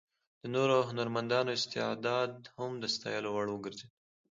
د نورو هنرمندانو استعداد هم د ستایلو وړ وګرځېد.